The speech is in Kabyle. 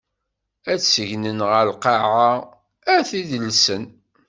Ad t-segnen ɣer lqaɛa, ad t-id-llsen.